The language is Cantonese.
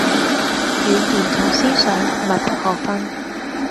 語言同思想密不可分